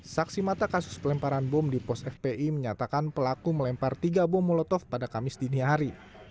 saksi mata kasus pelemparan bom di pos fpi menyatakan pelaku melempar tiga bom molotov pada kamis dini hari